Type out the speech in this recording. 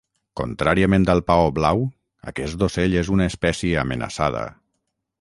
Contràriament al paó blau aquest ocell és una espècie amenaçada.